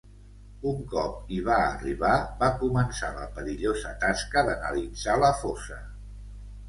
Un cop hi va arribar va començar la perillosa tasca d'analitzar la fossa.